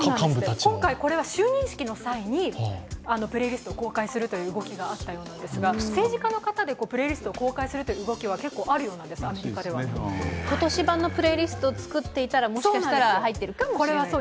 今回これは就任式の際にプレイリストを公開するという動きがあったようですが政治家の方でプレイリストを公開するという動きが結構あるみたいです、アメリカでは今年版のプレイリストを作ったら、もしかしたら入っているかもしれないと。